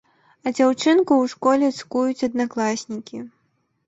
А дзяўчынку ў школе цкуюць аднакласнікі.